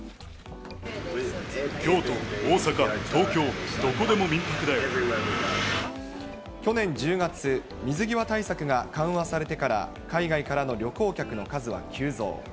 京都、大阪、東京、どこでも去年１０月、水際対策が緩和されてから、海外からの旅行客の数は急増。